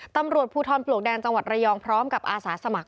ตำรวจภูทรปลวกแดงจังหวัดระยองพร้อมกับอาสาสมัคร